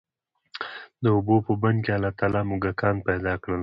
د اوبو په بند کي الله تعالی موږکان پيدا کړل،